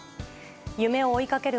夢を追いかける